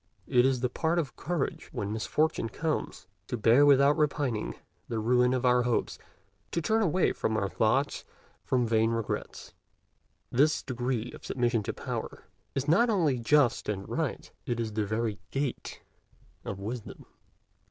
It is the part of courage, when misfortune comes, to bear without repining the ruin of our hopes, to turn away our thoughts from vain regrets. This degree of submission to Power is not only just and right: it is the very gate of wisdom.